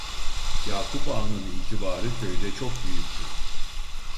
Yakup Ağa'nın itibarı köyde çok büyüktü.